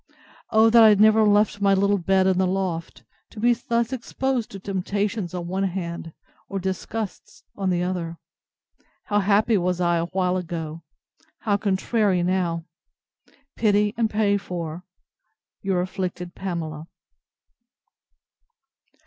O that I had never left my little bed in the loft, to be thus exposed to temptations on one hand, or disgusts on the other! How happy was I awhile ago! How contrary now!—Pity and pray for Your afflicted PAMELA.